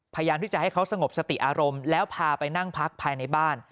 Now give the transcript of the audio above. พยายามที่จะให้เขาสงบสติอารมณ์แล้วพาไปนั่งพักภายในบ้าน